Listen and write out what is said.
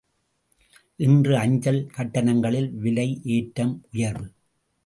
இன்று அஞ்சல் கட்டணங்களில் விலை ஏற்றம் உயர்வு!